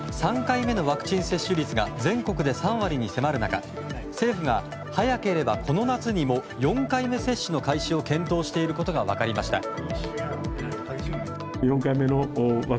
３回目のワクチン接種率が全国で３割に迫る中政府が早ければ、この夏にも４回目接種の開始を検討していることが分かりました。